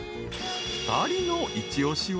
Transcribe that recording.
［２人の一押しは］